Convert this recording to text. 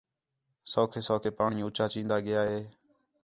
سَوکھے سَوکھے پاݨی اُچّا چِین٘دا ڳِیا ہِے